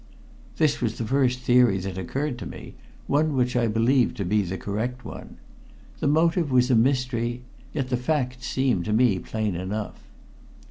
This was the first theory that occurred to me; one which I believed to be the correct one. The motive was a mystery, yet the facts seemed to me plain enough.